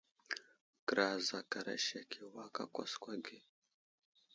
Kəra azakara sek i awak a kwaakwa ge.